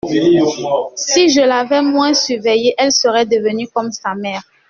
Si je l’avais moins surveillée, elle serait devenue comme sa mère.